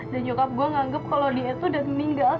dan nyokap gue nganggep kalau dia tuh udah meninggal